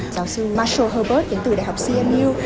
giáo sư marshall herbert đến từ đại học cmu